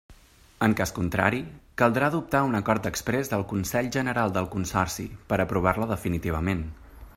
En cas contrari, caldrà adoptar un acord exprés del Consell General del Consorci, per aprovar-la definitivament.